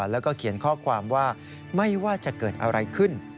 แล้วก็เขียนข้อความว่าไม่ว่าจะเกิดอะไรขึ้น